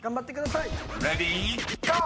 ［レディーゴー！］